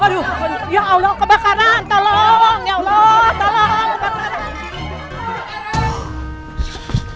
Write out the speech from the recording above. aduh ya allah kebakaran tolong ya allah tolong